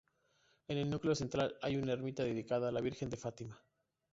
En el núcleo central hay una ermita dedicada a la virgen de Fátima.